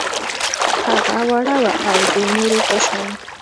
هغه وړه وه او د نورو په شان